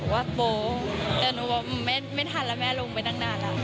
ว่าโป๊แต่หนูบอกไม่ทันแล้วแม่ลงไปตั้งนานแล้ว